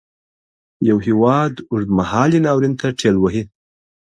یو هیواد اوږد مهالي ناورین ته ټېل وهي.